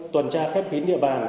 tuần tra khép kín địa bàn